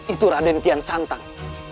itu raden kian santang